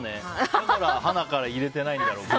だから、はなから入れてないんだろうけど。